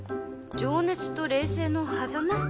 情熱と冷静のはざま？